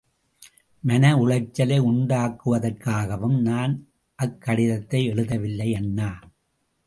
மன உளைச்சலை உண்டாக்குவதற்காகவும் நான் அக்கடிதத்தை எழுதவில்லை அண்ணா!